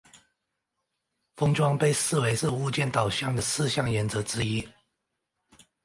封装被视为是物件导向的四项原则之一。